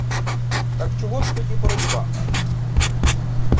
Так чого ж тоді боротьба?